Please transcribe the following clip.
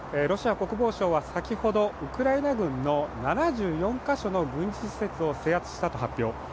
ロシア国防省は先ほど、ウクライナ軍の７４カ所の軍事施設を制圧したと発表。